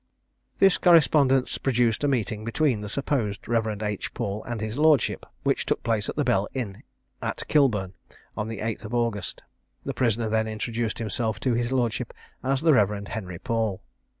This correspondence produced a meeting between the supposed Rev. H. Paul and his lordship, which took place at the Bell Inn, at Kilburn, on the 8th of August. The prisoner then introduced himself to his lordship as the Rev. Henry Paul.